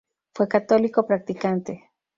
Fue católico practicante.